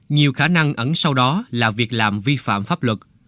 nhiều khả năng ẩn sau đó là việc làm vi phạm pháp luật